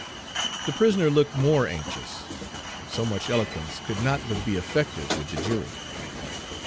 The prisoner looked more anxious; so much eloquence could not but be effective with the jury.